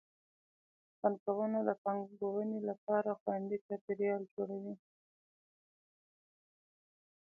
بانکونه د پانګونې لپاره خوندي چاپیریال جوړوي.